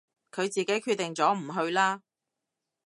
佢自己決定咗唔去啦